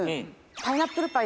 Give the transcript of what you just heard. パイナップルパイ。